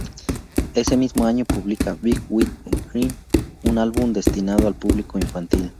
Ese mismo año publica "Big Wide Grin", un álbum destinado al público infantil.